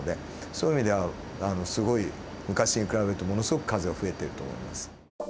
そういう意味ではすごい昔に比べるとものすごく数が増えてると思います。